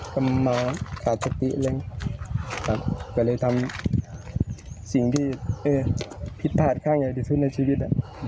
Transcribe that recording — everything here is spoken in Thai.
ก็เลยทำสิ่งที่ผิดพลาดข้างใหญ่ที่สุดในชีวิต